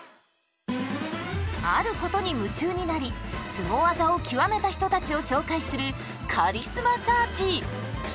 あることに夢中になりスゴ技を極めた人たちを紹介する「カリスマサーチ」。